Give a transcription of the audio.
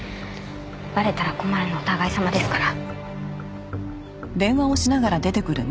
バレたら困るのお互いさまですから。